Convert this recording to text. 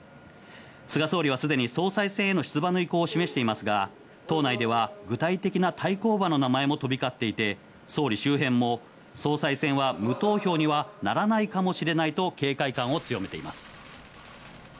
菅総理は、すでに総裁選への出馬の意向を示していますが、党内では具体的な対抗馬の名前も飛び交っていて、総理周辺も総裁選は無投票にはならないかもしれないと警戒感を強めています。